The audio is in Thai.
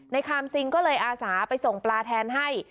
คามซิงก็เลยอาสาไปส่งปลาแทนให้